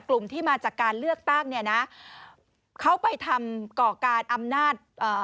กลุ่มที่มาจากการเลือกตั้งเนี่ยนะเขาไปทำก่อการอำนาจเอ่อ